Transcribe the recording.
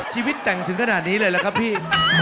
ชีวิตแต่งถึงขนาดนี้เลยล่ะครับพี่